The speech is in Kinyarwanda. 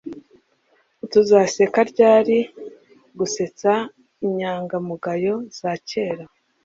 Tuzaseka ryari gusetsa inyangamugayo za kera